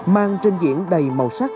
mang trình diễn đầy màu sắc